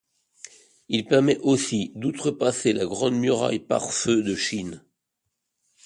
Il permet aussi d'outrepasser la Grande Muraille pare-feu de Chine.